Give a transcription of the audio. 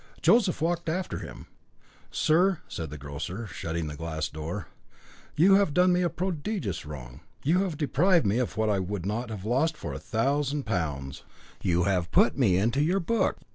Joseph walked after him. "Sir," said the grocer, shutting the glass door, "you have done me a prodigious wrong. You have deprived me of what I would not have lost for a thousand pounds. You have put me into your book.